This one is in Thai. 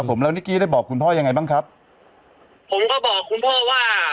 ผมแล้วนิกกี้ได้บอกคุณพ่อยังไงบ้างครับผมก็บอกคุณพ่อว่า